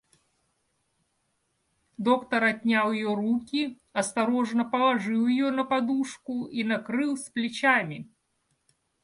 Доктор отнял ее руки, осторожно положил ее на подушку и накрыл с плечами.